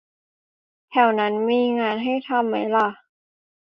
แถวนั้นมันมีงานให้ทำไหมล่ะ